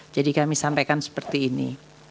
jadi kami sampaikan seperti ini